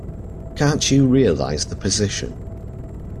Can't you realize the position?